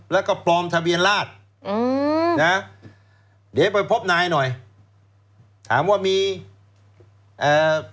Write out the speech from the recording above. แล้วก็ปลอมทะเบียนราชอืมนะเดี๋ยวไปพบนายหน่อยถามว่ามีเอ่อ